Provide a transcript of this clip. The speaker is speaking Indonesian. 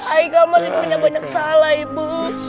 aika masih punya banyak salah ibu